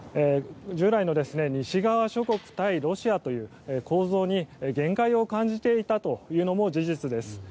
従来の西側諸国対ロシアという構造に限界を感じていたというのも事実です。